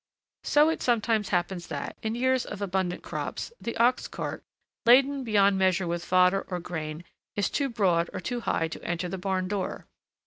So it sometimes happens that, in years of abundant crops, the ox cart, laden beyond measure with fodder or grain, is too broad or too high to enter the barndoor.